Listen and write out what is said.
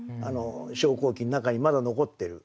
昇降機の中にまだ残ってる。